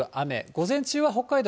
午前中は北海道